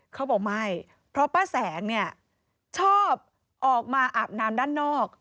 เขาบอกไม่เพราะป้าแสงเนี่ยชอบออกมาอาบน้ำด้านนอก